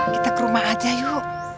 kita ke rumah aja yuk